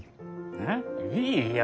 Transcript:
えっいいよ。